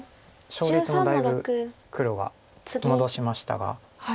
勝率もだいぶ黒が戻しましたが。